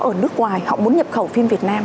ở nước ngoài họ muốn nhập khẩu phim việt nam